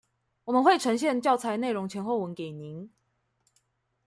我們會呈現教材內容前後文給您